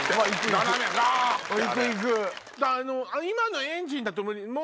今のエンジンだと無理。